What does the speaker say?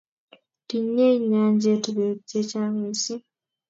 Tinyei nyanjet beek chechang missing